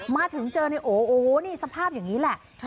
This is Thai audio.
มาถึงเจอในโอโอ้โหนี่สภาพอย่างนี้แหละ